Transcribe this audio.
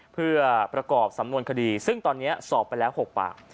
เพื่อประกอบสำนวนคดีซึ่งตอนนี้สอบไปแล้ว๖ปาก